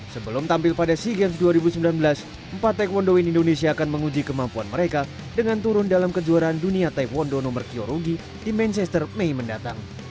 sebelum tampil pada sea games dua ribu sembilan belas empat taekwondo indonesia akan menguji kemampuan mereka dengan turun dalam kejuaraan dunia taekwondo nomor kyorugi di manchester mei mendatang